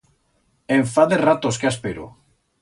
En fa de ratos que aspero.